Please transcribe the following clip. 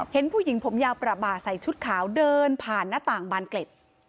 เห็นผู้หญิงผมยาวประบาใส่ชุดขาวเดินผ่านหน้าต่างบานเกล็ด